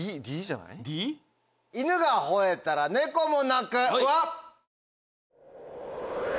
「犬がほえたら猫も鳴く」は？